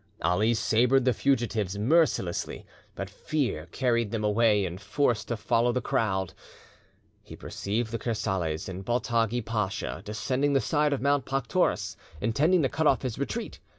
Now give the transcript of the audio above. Ali sabred the fugitives mercilessly, but fear carried them away, and, forced to follow the crowd, he perceived the Kersales and Baltadgi Pacha descending the side of Mount Paktoras, intending to cut off his retreat.